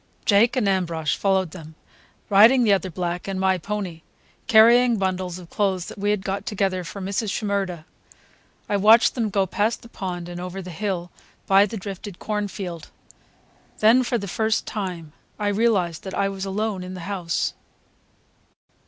Jake and Ambrosch followed them, riding the other black and my pony, carrying bundles of clothes that we had got together for Mrs. Shimerda. I watched them go past the pond and over the hill by the drifted cornfield. Then, for the first time, I realized that I was alone in the house.